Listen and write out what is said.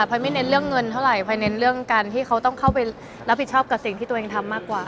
พอยไม่เน้นเรื่องเงินเท่าไหร่พลอยเน้นเรื่องการที่เขาต้องเข้าไปรับผิดชอบกับสิ่งที่ตัวเองทำมากกว่า